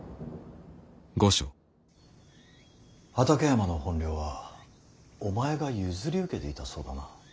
畠山の本領はお前が譲り受けていたそうだな。